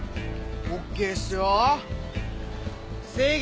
ＯＫっすよ。